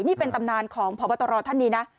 นี่เป็นตำนานของพบตรท่านนี้นะ